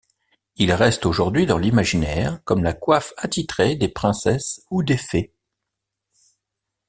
Il reste aujourd'hui dans l'imaginaire comme la coiffe attitrée des princesses ou des fées.